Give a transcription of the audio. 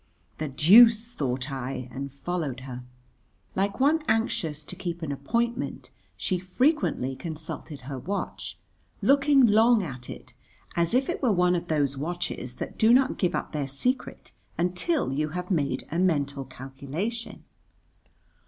"The deuce!" thought I, and followed her. Like one anxious to keep an appointment, she frequently consulted her watch, looking long at it, as if it were one of those watches that do not give up their secret until you have made a mental calculation.